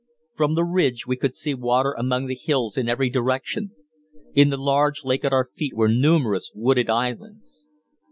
From the ridge we could see water among the hills in every direction. In the large lake at our feet were numerous wooded islands.